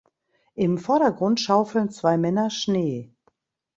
Im Vordergrund schaufeln zwei Männer Schnee.